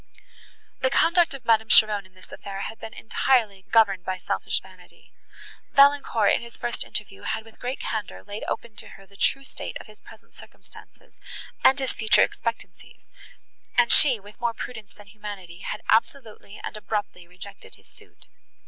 The conduct of Madame Cheron in this affair had been entirely governed by selfish vanity. Valancourt, in his first interview, had with great candour laid open to her the true state of his present circumstances, and his future expectancies, and she, with more prudence than humanity, had absolutely and abruptly rejected his suit.